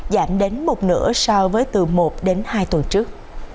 giảm đến một nửa so với từ một đến hai tuần trước